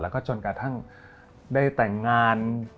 แล้วก็จนกระทั่งได้แต่งงาน